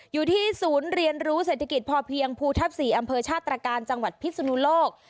อยู่ที่ศูนย์เรียนรู้เศรษฐกิจพอเพียงภูทับ๔อำเภอชาติตรการจังหวัดพิศนุโลก